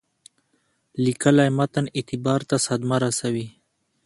لیکلي متن اعتبار ته صدمه رسوي.